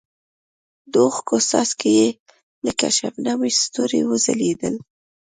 د اوښکو څاڅکي یې لکه شبنمي ستوري وځلېدل.